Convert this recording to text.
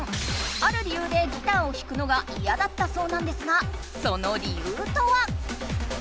ある理由でギターを弾くのがいやだったそうなんですがトア。